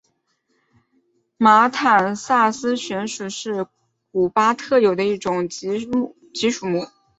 马坦萨斯穴鼠是古巴特有的一种棘鼠科。